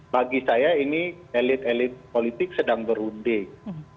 bagi saya ini elit elit politik sedang berunding